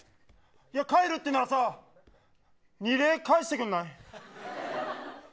帰るって言うなら二礼、返してくれない。